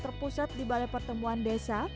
terpusat di balai pertemuan desa